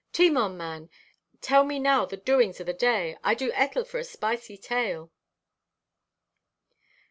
"Timon, man, tell me now the doings o' the day. I do ettle for a spicey tale."